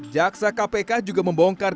jaksa kpk juga membongkar